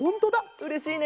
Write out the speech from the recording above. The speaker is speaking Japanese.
うれしいね。